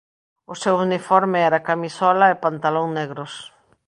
O seu uniforme era camisola e pantalón negros.